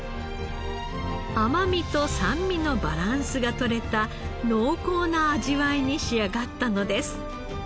甘みと酸味のバランスが取れた濃厚な味わいに仕上がったのです。